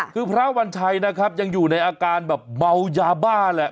คือพระวันชัยยังอยู่ในอาการเบาใจบ้านะครับ